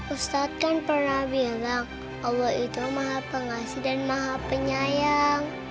ustadz kan pernah bilang allah itu maha pengasih dan maha penyayang